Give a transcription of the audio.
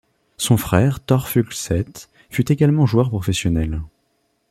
Son frère Tor Fuglset fut également joueur professionnel.